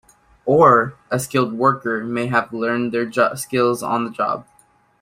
Or, a skilled worker may have learned their skills on the job.